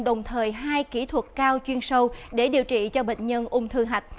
đồng thời hai kỹ thuật cao chuyên sâu để điều trị cho bệnh nhân ung thư hạch